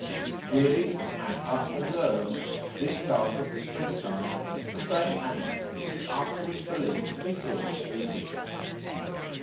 Clearly, as Mannhardt observes, this calf of the spring time is the same animal which is afterwards believed to be killed at reaping.